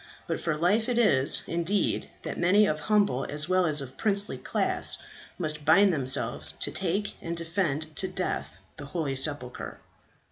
But for life it is, indeed, that many of humble as well as of princely class must bind themselves to take and defend to death the holy sepulchre."